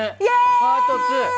パート２。